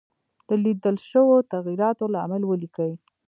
د لیدل شوو تغیراتو لامل ولیکئ.